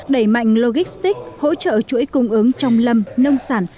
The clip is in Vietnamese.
đẩy mạnh logistic hỗ trợ chuỗi cung ứng trong lâm nông sản